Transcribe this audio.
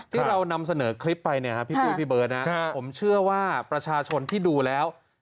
ที่เรานำเสนอคลิปไปเนี่ยครับพี่ปุ้ยพี่เบิร์ตนะผมเชื่อว่าประชาชนที่ดูแล้ว